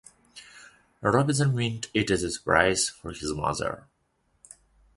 Robinson meant it as a surprise for his mother.